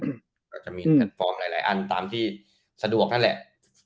เราจะมีแพลตฟอร์มหลายอันตามที่สะดวกนั่นแหละ